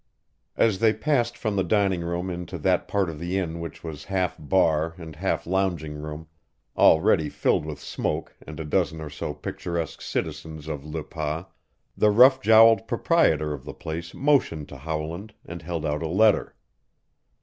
As they passed from the dining room into that part of the inn which was half bar and half lounging room, already filled with smoke and a dozen or so picturesque citizens of Le Pas, the rough jowled proprietor of the place motioned to Howland and held out a letter.